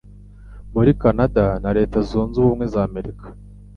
Muri Canada na Leta Zunze Ubumwe za Amerika